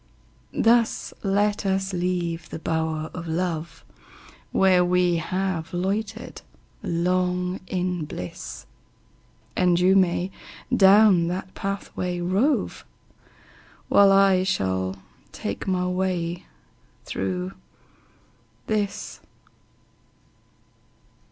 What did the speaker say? Thus let us leave the bower of love, Where we have loitered long in bliss; And you may down that pathway rove, While I shall take my way through this.